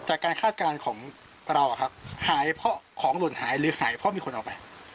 จากการคาดการณ์ของเราครับของหล่นหายหรือหายเพราะมีคนออกไป